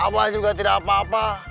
allah juga tidak apa apa